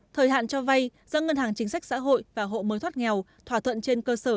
thời hạn cho vay do ngân hàng chính sách xã hội và hộ mới thoát nghèo thỏa thuận trên cơ sở